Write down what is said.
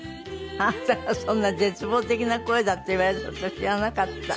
あなたがそんな絶望的な声だって言われてるの私知らなかった。